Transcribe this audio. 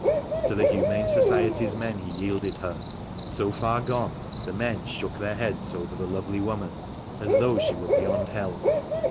To the Humane Society's men he yielded her. So far gone, the men shook their heads over the lovely woman, as though she were beyond help.